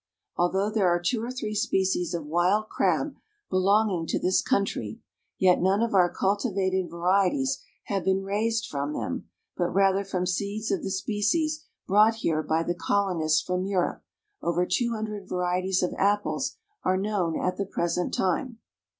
Although there are two or three species of wild crab belonging to this country, yet none of our cultivated varieties have been raised from them, but rather from seeds of the species brought here by the colonists from Europe—over two hundred varieties of apples are known at the present time.